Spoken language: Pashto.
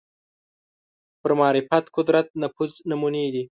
پر معرفت قدرت نفوذ نمونې دي